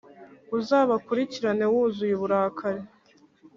Uzabakurikirane wuzuye uburakari,